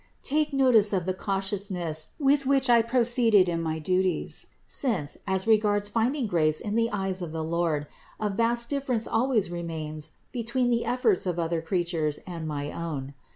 528. Take notice of the cautiousness with which I proceeded in my duties; since, as regards finding grace in the eyes of the Lord, a vast difference always remains between the efforts of other creatures and my own.